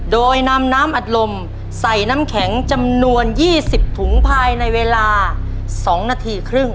โดยนำน้ำอัดลมใส่น้ำแข็งจำนวน๒๐ถุงภายในเวลา๒นาทีครึ่ง